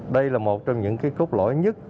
đây là một trong những cốt lỗi nhất